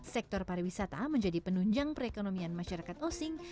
sektor pariwisata menjadi penunjang perekonomian masyarakat osing